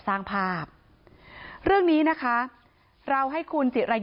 หมายจากแรงงานไปแปะที่หน้าออฟฟิศแล้ว